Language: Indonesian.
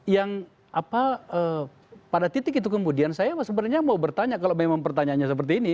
yang apa pada titik itu kemudian saya sebenarnya mau bertanya kalau memang pertanyaannya seperti ini